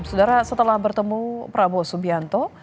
saudara setelah bertemu prabowo subianto